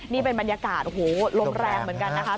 นี่เป็นบรรยากาศโอ้โหลมแรงเหมือนกันนะคะ